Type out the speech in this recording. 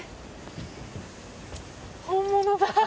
本物だ。